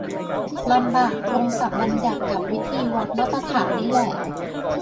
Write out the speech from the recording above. ลำบากตรงศัพท์บัญญัติกับวิธีวัดมาตรฐานนี่แหละ